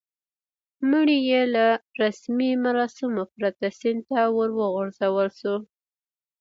مړی یې له رسمي مراسمو پرته سیند ته ور وغورځول شو.